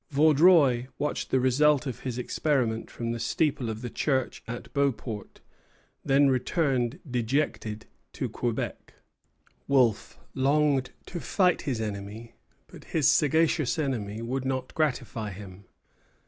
Vaudreuil watched the result of his experiment from the steeple of the church at Beauport; then returned, dejected, to Quebec. Wolfe longed to fight his enemy; but his sagacious enemy would not gratify him.